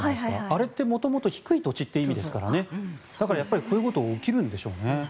あれって元々低い土地という意味ですからこういうことが起きるんでしょうね。